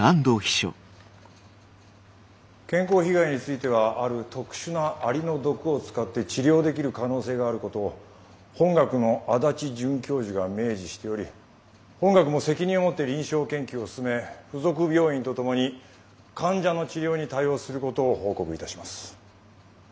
健康被害についてはある特殊なアリの毒を使って治療できる可能性があることを本学の足立准教授が明示しており本学も責任を持って臨床研究を進め附属病院と共に患者の治療に対応することを報告いたします。